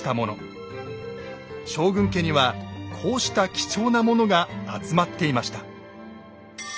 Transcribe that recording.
将軍家にはこうした貴重なものが集まっていました。